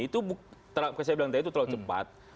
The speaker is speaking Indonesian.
itu saya bilang tadi itu terlalu cepat